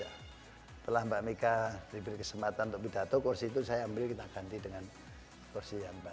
setelah mbak meka diberi kesempatan untuk pidato kursi itu saya ambil kita ganti dengan kursi yang empat